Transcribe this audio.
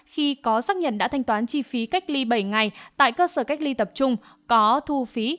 khi có xác nhận đã thanh toán chi phí cách ly bảy ngày tại cơ sở cách ly tập trung có thu phí